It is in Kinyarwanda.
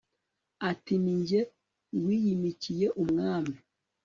ati ni jye wiyimikiye umwami